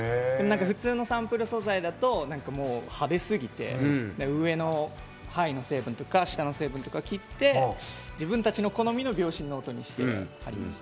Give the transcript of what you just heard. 普通のサンプル素材だと派手すぎて、上の成分とか下の成分とか切って自分たちの好みの秒針の音にしてあります。